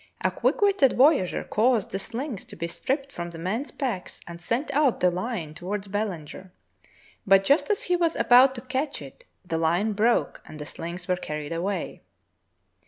A quick witted voyageur caused the shngs to be stripped from the men's packs and sent out the hne toward Belanger, but just as he was about to catch it the hne broke and the shngs were carried away.